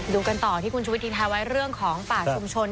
กันต่อที่คุณชุวิตทิ้งท้ายไว้เรื่องของป่าชุมชน